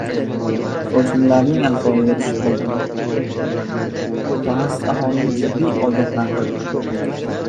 «Qo‘shnilarning ahvoliga tushib qolmaylik» — mutaxassis aholini jiddiy ogohlantirdi